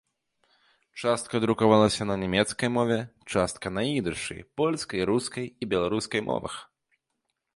Частка друкавалася на нямецкай мове, частка на ідышы, польскай, рускай і беларускай мовах.